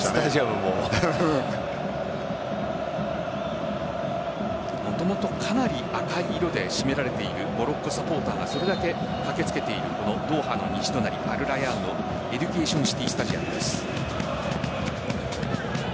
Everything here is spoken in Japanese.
もともとかなり赤い色で占められているモロッコサポーターがそれだけ駆けつけているドーハの西隣アルラヤーンのエデュケーションシティースタジアムです。